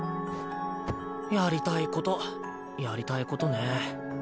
やりたいことやりたいことね。